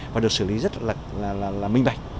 và được xử lý rất là minh bạch